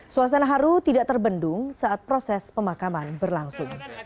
suasana haru tidak terbendung saat proses pemakaman berlangsung